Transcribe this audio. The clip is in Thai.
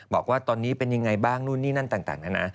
บอกว่าตอนนี้เป็นยังไงบ้างนู่นนี่นั่นต่างนะนะ